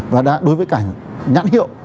và đối với cả nhãn hiệu